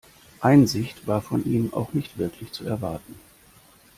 Einsicht war von ihm auch nicht wirklich zu erwarten.